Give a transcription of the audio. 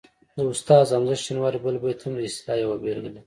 د استاد حمزه شینواري بل بیت هم د اصطلاح یوه بېلګه لري